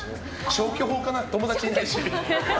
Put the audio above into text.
消去法かな、友達いないし。